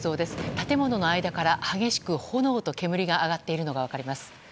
建物の間から激しく炎と煙が上がっているのが分かります。